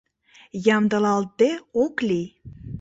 Ямдылалтде ок лий.